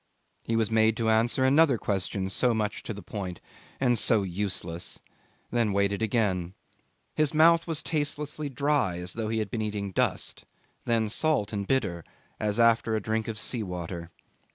He was made to answer another question so much to the point and so useless, then waited again. His mouth was tastelessly dry, as though he had been eating dust, then salt and bitter as after a drink of sea water.